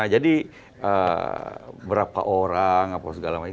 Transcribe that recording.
jadi berapa orang apa segala macam